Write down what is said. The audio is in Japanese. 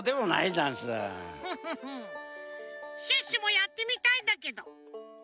フフフシュッシュもやってみたいんだけど。